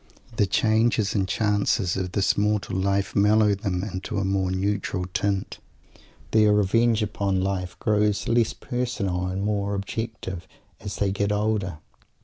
The changes and chances of this mortal life mellow them into a more neutral tint. Their revenge upon life grows less personal and more objective as they get older.